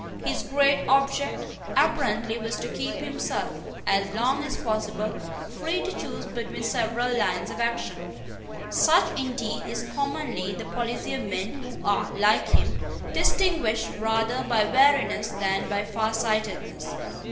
His great object, apparently, was to keep himself, as long as possible, free to choose between several lines of action. Such, indeed, is commonly the policy of men who are, like him, distinguished rather by wariness than by farsightedness.